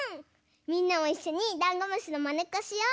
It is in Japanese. みんなもいっしょにダンゴムシのまねっこしよう！